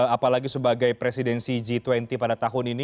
apalagi sebagai presidensi g dua puluh pada tahun ini